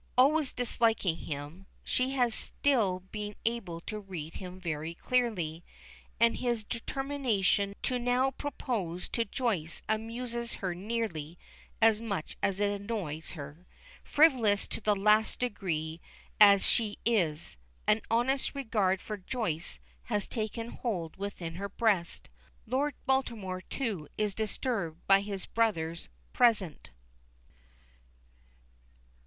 Always disliking him, she has still been able to read him very clearly, and his determination to now propose to Joyce amuses her nearly as much as it annoys her. Frivolous to the last degree as she is, an honest regard for Joyce has taken hold within her breast. Lord Baltimore, too, is disturbed by his brother's present.